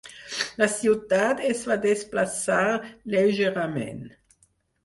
La ciutat es va desplaçar lleugerament.